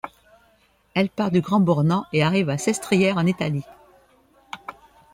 Elle part du Grand-Bornand et arrive à Sestrières, en Italie.